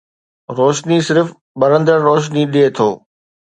روشني صرف ٻرندڙ روشني ڏئي ٿو